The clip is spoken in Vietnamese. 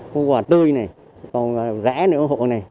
khu quà tươi này còn rẻ nữa ủng hộ này